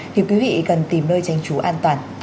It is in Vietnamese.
thì quý vị cần tìm nơi tránh trú an toàn